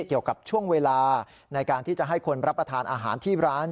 เกี่ยวกับช่วงเวลาในการที่จะให้คนรับประทานอาหารที่ร้าน